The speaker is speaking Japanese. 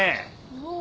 おお！